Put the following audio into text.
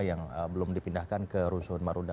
yang belum dipindahkan ke rusun marunda